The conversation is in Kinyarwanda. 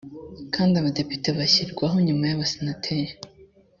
kandi abadepite bashyirwaho nyuma y’abasenateri